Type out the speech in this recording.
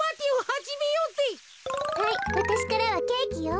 はいわたしからはケーキよ。